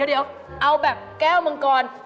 เดี๋ยวเอาแบบแก้วมังกร